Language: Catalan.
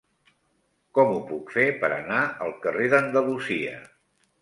Com ho puc fer per anar al carrer d'Andalusia?